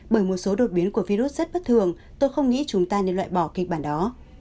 bởi một số đột biến của virus rất bất thường tôi không nghĩ chúng ta nên loại bỏ kịch bản đó